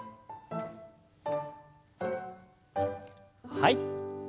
はい。